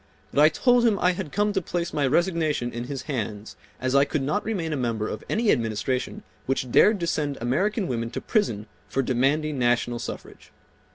But I told him I had come to place my resignation in his hands as I could not remain a member of any administration which dared to send American women to prison for demanding national suffrage.